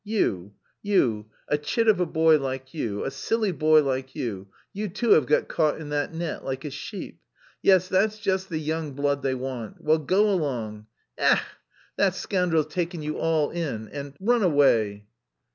"You, you, a chit of a boy like you, a silly boy like you, you too have got caught in that net like a sheep? Yes, that's just the young blood they want! Well, go along. E ech! that scoundrel's taken you all in and run away."